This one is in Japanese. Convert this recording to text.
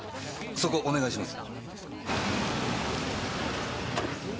そこお願いします。